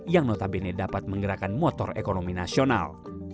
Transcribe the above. yang notabene dapat menggerakkan motor ekonomi nasional